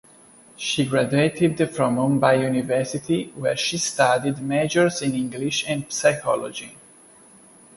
She graduated from Mumbai University where she studied Majors in English and Psychology.